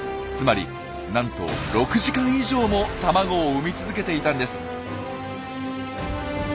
つまりなんと６時間以上も卵を産み続けていたんです。